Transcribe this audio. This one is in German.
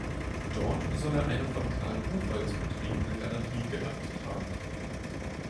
Dort soll er eine von Karl Buchholz betriebene Galerie geleitet haben.